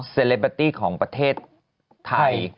เคล็ดบาทีของประเทศไทย